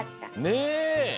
ねえ！